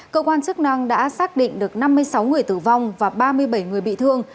cơ quan chức năng đã xác định được năm mươi sáu người tử vong và ba mươi bảy người bị thương